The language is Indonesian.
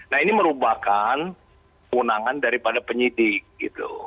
nah ini merupakan kewenangan daripada penyidik gitu